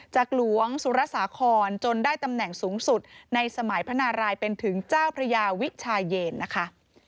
จากหลวงสุรสาครจนได้ตำแหน่งสูงสุดในสมัยพระนารายเป็นถึงเจ้าพระยาวิชายเยนนะคะ